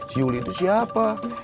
si yuli itu siapa